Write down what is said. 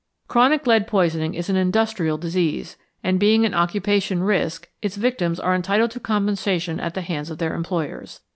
Chronic lead poisoning is an 'industrial disease,' and, being an occupation risk, its victims are entitled to compensation at the hands of their employers.